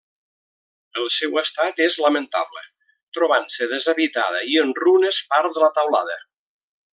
El seu estat és lamentable, trobant-se deshabitada i en runes part de la teulada.